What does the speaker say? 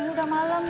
ini udah malem